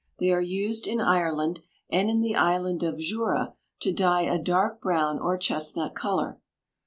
They are used in Ireland and in the island of Jura to dye a dark brown or chestnut color.